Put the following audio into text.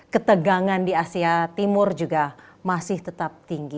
ketegangan di asia timur juga masih tetap tinggi